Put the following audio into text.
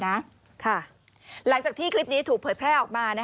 หลังจากที่คลิปนี้ถูกเผยแพร่ออกมา